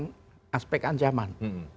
tentang aspek ancaman